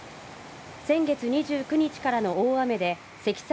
先月２９日からの大雨で積算